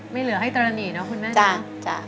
ไม่เหลือให้ตรณีเนอะคุณแม่ใช่ใช่